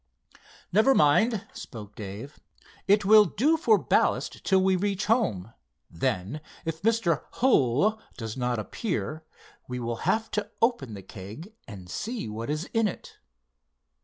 "Never mind," spoke Dave. "It will do for ballast till we reach home. Then, if Mr. Hull does not appear, we will have to open the keg and see what is in it."